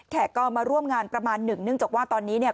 ก็มาร่วมงานประมาณหนึ่งเนื่องจากว่าตอนนี้เนี่ย